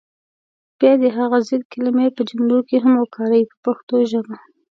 بیا دې هغه ضد کلمې په جملو کې هم وکاروي په پښتو ژبه.